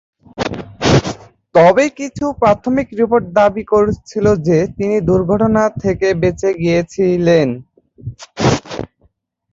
তবে কিছু প্রাথমিক রিপোর্ট দাবি করেছিলো যে তিনি দুর্ঘটনা থেকে বেঁচে গিয়েছিলেন।